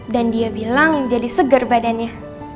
dan dia bilang jadi segar badannya